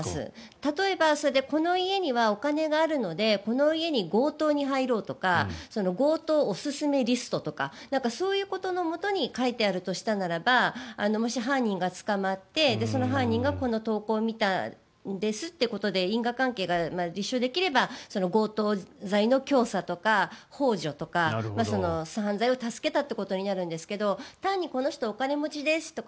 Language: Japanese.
例えば、それでこの家にはお金があるのでこの家に強盗に入ろうとか強盗おすすめリストとかそういうことのもとに書いてあるとしたならばもし犯人が捕まってその犯人が、この投稿を見たんですっていうことで因果関係が立証できれば強盗罪の教唆とかほう助とか犯罪を助けたということになるんですけど単に、この人お金持ちですとか